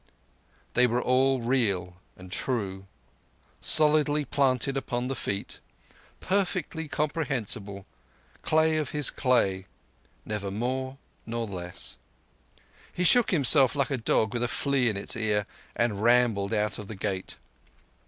They were all real and true—solidly planted upon the feet—perfectly comprehensible—clay of his clay, neither more nor less. He shook himself like a dog with a flea in his ear, and rambled out of the gate.